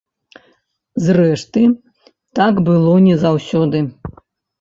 Зрэшты, так было не заўсёды.